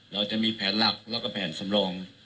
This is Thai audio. เราจะมีแผนหลักแล้วก็แผนสำรอง